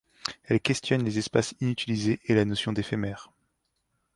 Elle questionne les espaces inutilisés et la notion d'éphémère.